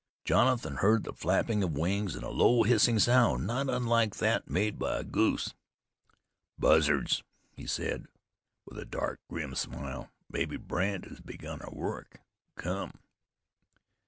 Jonathan heard the flapping of wings, and a low, hissing sound, not unlike that made by a goose. "Buzzards!" he said, with a dark, grim smile. "Mebbe Brandt has begun our work. Come."